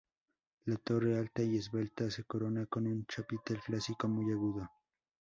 La torre, alta y esbelta, se corona con un chapitel clásico muy agudo.